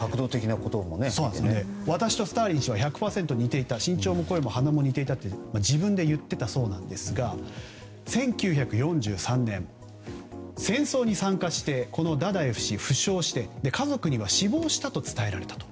私とスターリン氏は１００％似ていた身長も声も鼻も似ていたと自分で言っていたそうなんですが１９４３年、戦争に参加してダダエフ氏は家族には死亡したと伝えられたと。